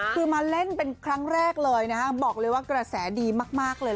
คือมาเล่นเป็นครั้งแรกเลยนะฮะบอกเลยว่ากระแสดีมากเลย